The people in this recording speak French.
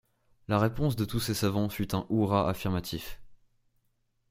La réponse de tous ces savants fut un hurrah affirmatif.